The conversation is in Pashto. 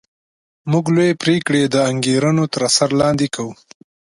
موږ لویې پرېکړې د انګېرنو تر اثر لاندې کوو